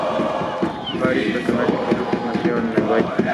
Este tipo de urna de piedra puede tener su origen en inhumaciones altomedievales.